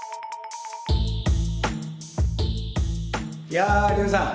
やあ劉さん